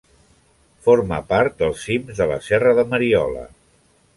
Forma part dels cims de la serra de Mariola.